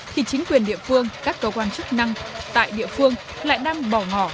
thì chính quyền địa phương các cơ quan chức năng tại địa phương lại đang bỏ ngỏ